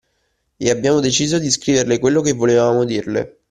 E abbiamo deciso di scriverle quello che volevamo dirle.